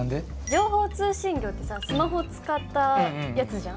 情報通信業ってさスマホ使ったやつじゃん。